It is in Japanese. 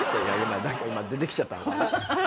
誰か今出てきちゃったのかな？